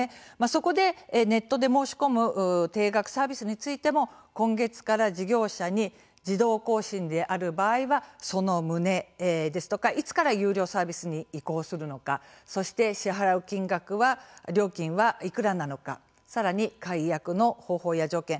そこで、ネットで申し込む定額サービスについても今月から事業者に自動更新である場合はその旨ですとかいつから有料サービスに移行するのかそして、支払う金額は料金はいくらなのかさらに、解約の方法や条件